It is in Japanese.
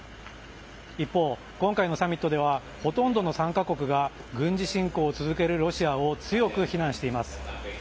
一方、今回のサミットではほとんどの参加国が軍事侵攻を続けるロシアを強く非難しています。